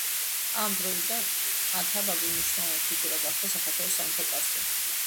ამ დროიდან ათაბაგი მნიშვნელოვანი ფიგურა გახდა საქართველოს სამეფო კარზე.